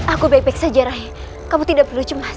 aku baik baik saja roh kamu tidak perlu cemas